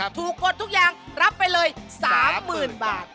ถูกกดทุกอย่างรับไปเลย๓หมื่นบาท